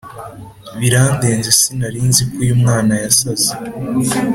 birandenze sinari nziko uyu mwana yasaze